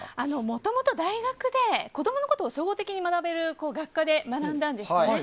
もともと大学で子供のことを総合的に学べる学科で学んだんですね。